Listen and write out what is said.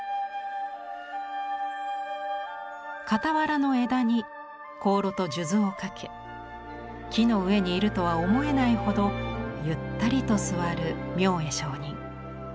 傍らの枝に香炉と数珠を掛け木の上にいるとは思えないほどゆったりと坐る明恵上人。